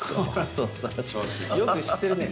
そうそう、よく知ってるね。